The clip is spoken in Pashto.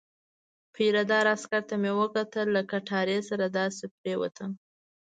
پیره دار عسکر ته مې وکتل، له کټارې سره داسې پرېوتم.